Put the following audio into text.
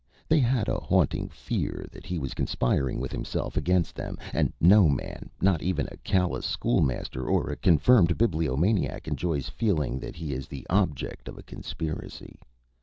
They had a haunting fear that he was conspiring with himself against them, and no man, not even a callous school master or a confirmed bibliomaniac, enjoys feeling that he is the object of a conspiracy.